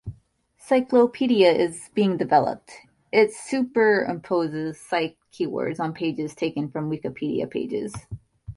Cyclopedia is being developed; it superimposes Cyc keywords on pages taken from Wikipedia pages.